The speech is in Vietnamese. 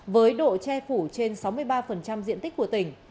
với độ che phủ trên sáu mươi ba diện tích của tỉnh